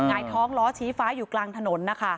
งายท้องล้อชี้ฟ้าอยู่กลางถนนนะคะ